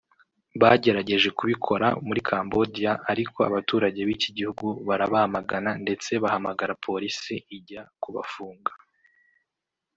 bagerageje kubikora muri Cambodia ariko abaturage b’iki gihugu barabamagana ndetse bahamagara polisi ijyaa kubafunga